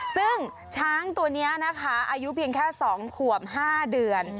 ซึ่งช้างตัวนี้นะคะอายุเพียงแค่๒ขวบ๕เดือน